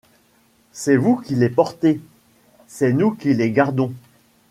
C'est vous qui les portez, c'est nous qui les gardons.